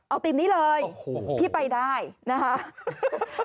เอาทีมนี้เลยพี่ไปได้นะคะ